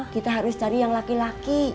kita harus cari yang laki laki